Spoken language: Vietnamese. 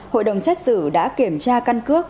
hội đồng xét xử đã kiểm tra căn cước